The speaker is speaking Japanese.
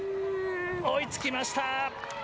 追いつきました！